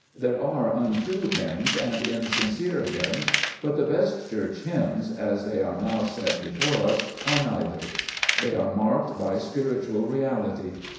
There are untrue hymns and insincere hymns, but the best Church hymns, as they are now set before us, are neither. They are marked by spiritual reality.